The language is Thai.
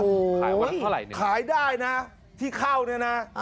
โอ้โหขายวันละเท่าไหร่นะขายได้นะที่เข้าเนี่ยนะ